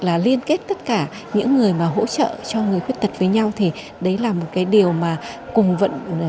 là liên kết tất cả những người mà hỗ trợ cho người khuyết tật với nhau thì đấy là một cái điều mà cùng vận